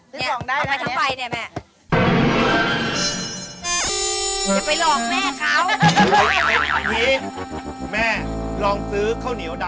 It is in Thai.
ซื้อส่องได้นะอันนี้